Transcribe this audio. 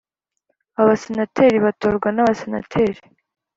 Abasenateri batorwa n’Abasenateri